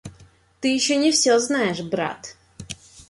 Ты еще не все знаешь, брат.